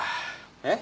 えっ？